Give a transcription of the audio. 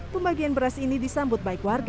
pembagian beras ini disambut baik warga